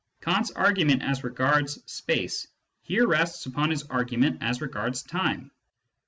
Kant's argument as regards space here rests upon his argument as regards time.